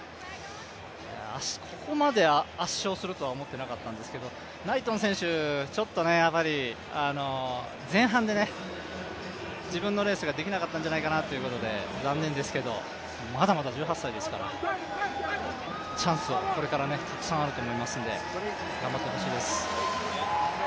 ここまで圧勝するとは思ってなかったんですけどナイトン選手、前半で自分のレースができなかったんじゃないかということで残念ですけどまだまだ１８歳ですからチャンスはこれからたくさんあると思いますので頑張ってほしいです。